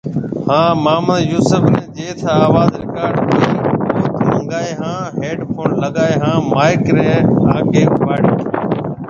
هان محمد يوسف ني جيٿ آواز رڪارڊنگ هوئي اوٿ منگائي هان هيڊ فون لگائي هان مائيڪ ري آگھيَََ اوڀاڙيو